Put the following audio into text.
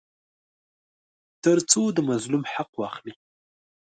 تر څو د مظلوم حق واخلي.